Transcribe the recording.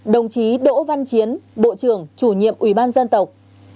đồng chí đỗ văn chiến bộ trưởng chủ nhiệm ủy ban dân tộc